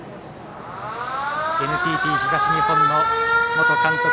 ＮＴＴ東日本の元監督